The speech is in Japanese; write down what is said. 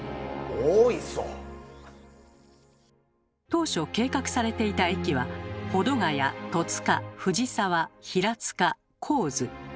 当初計画されていた駅は保土ヶ谷戸塚藤沢平塚国府津。